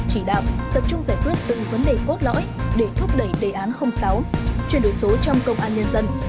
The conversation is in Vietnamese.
chỉ đạo tập trung giải quyết từng vấn đề cốt lõi để thúc đẩy đề án sáu chuyển đổi số trong công an nhân dân